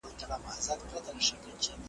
مصرف مې د میاشتې په سر کې ټاکلی دی.